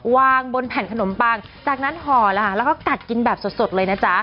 วางบนแผ่นขนมปังจากนั้นห่อแล้วค่ะแล้วก็กัดกินแบบสดเลยนะจ๊ะ